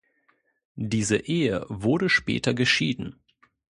Diese Ehe wurde später geschieden.